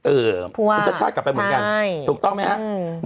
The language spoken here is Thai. คุณชาติชาติกลับไปเหมือนกันถูกต้องไหมครับ